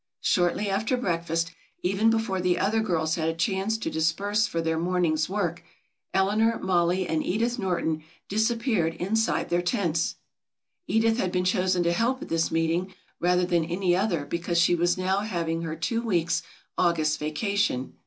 Shortly after breakfast, even before the other girls had a chance to disperse for their morning's work, Eleanor, Mollie and Edith Norton disappeared inside their tents. Edith had been chosen to help at this meeting rather than any other because she was now having her two weeks' August vacation.